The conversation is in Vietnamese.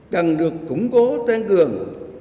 cần được củng cố tăng cường